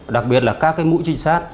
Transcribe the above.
đặt ra các mũi trinh sát